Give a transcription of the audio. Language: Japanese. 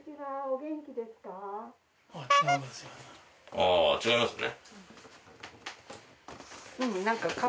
ああ違いますね。